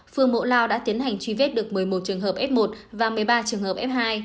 phương mộ lao đã tiến hành truy vết được một mươi một trường hợp f một và một mươi ba trường hợp f hai